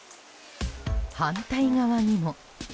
反対側にも。